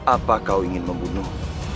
apa kau ingin membunuh